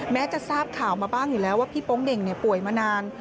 แม้จะทราบข่าวมาบ้างอยู่แล้วว่าพี่โป๊งเหน่งป่วยมานาน